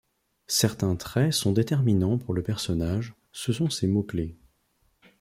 Certains traits sont déterminants pour le personnage, ce sont ses mots-clés.